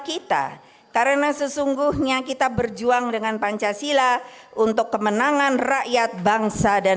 kita karena sesungguhnya kita berjuang dengan pancasila untuk kemenangan rakyat bangsa dan